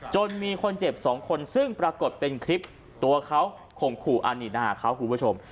จนมีคนเจ็บ๒คนซึ่งปรากฏเป็นคลิปตัวเขาขมขู่อันนี้นะครับ